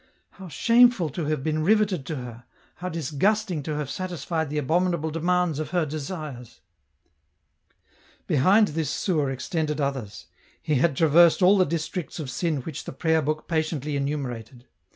" How shameful to have been riveted to her, how disgust ing to have satisfied the abominable demands of her desires !" Behind this sewer extended others. He had traversed all the districts of sin which the prayer book patiently enumerated.